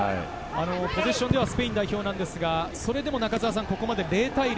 ポゼッションではスペイン代表ですが、それでもここまで０対０。